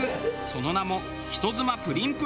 その名も。